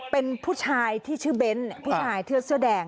เป็นผู้ชายที่ชื่อเบ้นผู้ชายเสื้อแดง